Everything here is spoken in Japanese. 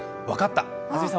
分かった。